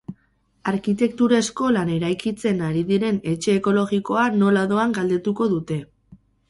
Arkitektura eskolan eraikitzen ari diren etxe ekologikoa nola doan galdetuko dute.